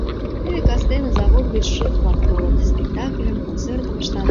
Теве кастене завод гыч шеф-влак толыт: спектакльым, концертым ыштат.